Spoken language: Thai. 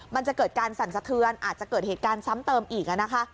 มันจะเกิดการสั่นสะเทือนอาจจะเกิดเหตุการณ์ซ้ำเติมอีกนะคะ